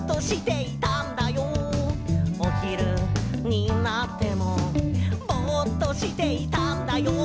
「おひるになってもぼっとしていたんだよ」